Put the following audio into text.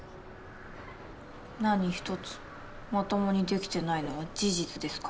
何一つまともにできてないのは事実ですから。